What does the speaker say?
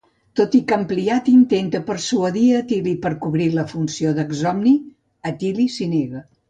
Tot i que Ampliat intenta persuadir Atili per cobrir la funció d'Exomni, Atili s'hi nega.